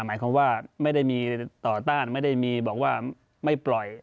หมายความว่าไม่ได้มีต่อต้านไม่ได้มีบอกว่าไม่ปล่อย